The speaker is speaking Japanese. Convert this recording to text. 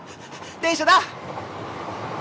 電車だ！